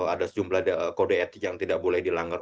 ada sejumlah kode etik yang tidak boleh dilanggar